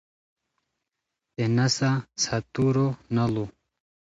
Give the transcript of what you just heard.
تے نسہ څھاتور و ناڑو